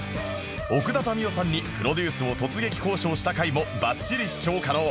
奥田民生さんにプロデュースを突撃交渉した回もバッチリ視聴可能